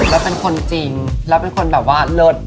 แล้วเป็นคนจริงแล้วเป็นคนแบบว่าเลิศ